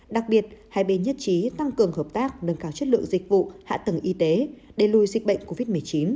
đặc biệt hai bên nhất trí tăng cường hợp tác nâng cao chất lượng dịch vụ hạ tầng y tế đề lùi dịch bệnh covid một mươi chín